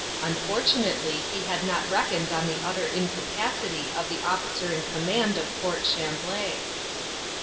Unfortunately he had not reckoned on the utter incapacity of the officer in command of Fort Chamblée.